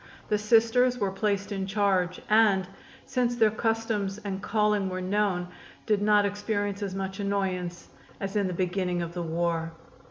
The Sisters were placed in charge, and, since their customs and calling were known, did not experience as much annoyance as in the beginning of the war.